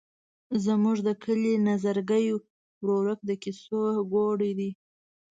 زموږ د کلي نظرګي ورورک د کیسو ګوډی دی.